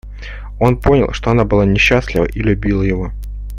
Он понял, что она была несчастлива и любила его.